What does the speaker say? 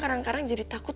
kadang kadang jadi takut